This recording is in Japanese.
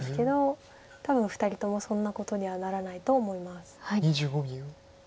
多分２人ともそんなことにはならないと思います。